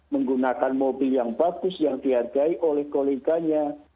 menggunakan mobil yang bagus yang dihargai oleh koleganya